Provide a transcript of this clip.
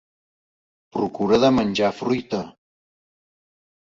Procura de menjar fruita.